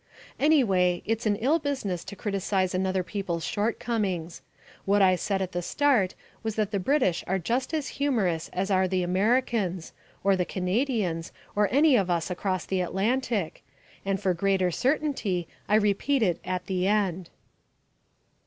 Anyway, it's an ill business to criticise another people's shortcomings. What I said at the start was that the British are just as humorous as are the Americans, or the Canadians, or any of us across the Atlantic, and for greater Certainty I repeat it at the end.